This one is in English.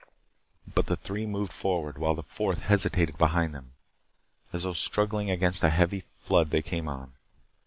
But the three moved forward, while the fourth hesitated behind them. As though struggling against a heavy flood they came on.